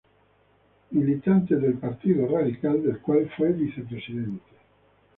Militante del Partido Radical, del cual fue vicepresidente.